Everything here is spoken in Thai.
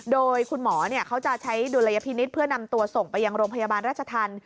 โดยคุณหมอเขาจะใช้ดุลยพินิษฐ์เพื่อนำตัวส่งไปยังโรงพยาบาลราชธรรม